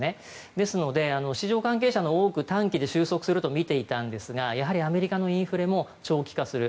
ですので、市場関係者の多く短期で収束するとみていたんですがやはりアメリカのインフレも長期化する。